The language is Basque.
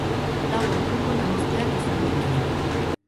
Lau orduko lanuzteak izango dira.